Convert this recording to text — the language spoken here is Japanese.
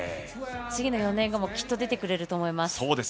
次、４年後もきっと出てくれると思います。